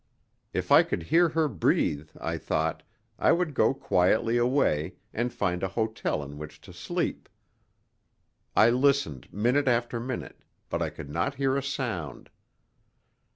If I could hear her breathe, I thought, I would go quietly away, and find a hotel in which to sleep. I listened minute after minute, but I could not hear a sound.